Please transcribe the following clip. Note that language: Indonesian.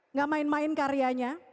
nggak main main karyanya